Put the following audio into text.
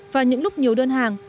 và những lúc nhiều đơn hàng